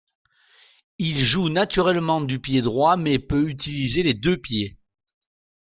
Il joue naturellement du pied droit mais peut utiliser les deux pieds.